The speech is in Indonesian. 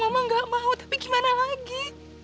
mama gak mau tapi gimana lagi